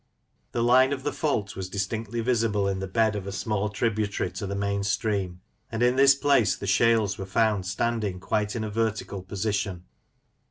The line of the fault was distinctly visible in the bed of a small tributary to the main stream ; and in this place the shales were found standing quite in a vertical position.